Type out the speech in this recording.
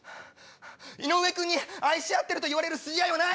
井上君に愛し合ってると言われる筋合いはない！